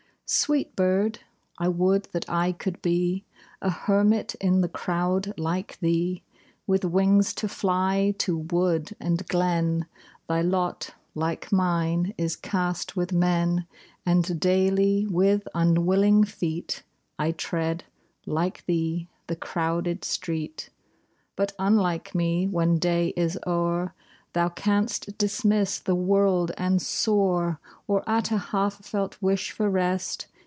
a (89) Sweet bird ! I would that I could be A hermit in the crowd like thee ! With wings to fly to wood and glen, Thy lot, like mine, is .cast with men; And daily, with unwilling feet, 1 tread, like thee, the crowded street ; But, unlike me, when day is o'er. Thou canst dismiss the world and soar, Or, at a half felt wish for rest.